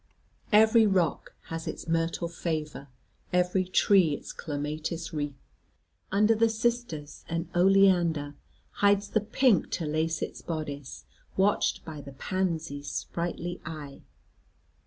Every rock has its myrtle favour, every tree its clematis wreath; under the cistus and oleander hides the pink to lace its bodice, watched by the pansy's sprightly eye.